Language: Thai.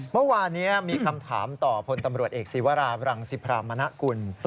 เมื่อวานนี้มีคำถามต่อพลตำรวจเอกศิวราบรังสิพรามณกุล